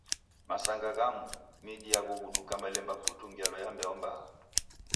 Masanga ghamu, midi yaghughuduka malemba putu ngelo ya mbeo mbaha.